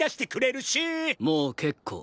もう結構。